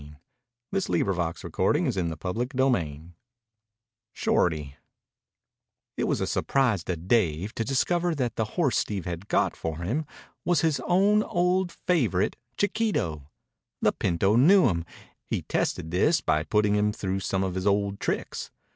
3 at Malapi Tamed Long Battle Ended CHAPTER XXIV SHORTY It was a surprise to Dave to discover that the horse Steve had got for him was his own old favorite Chiquito. The pinto knew him. He tested this by putting him through some of his old tricks.